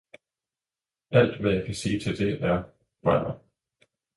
Alt, hvad jeg kan sige til det, er bvadr.